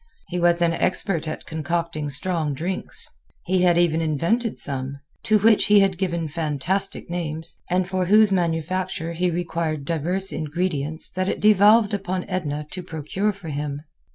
He was an expert at concocting strong drinks. He had even invented some, to which he had given fantastic names, and for whose manufacture he required diverse ingredients that it devolved upon Edna to procure for him.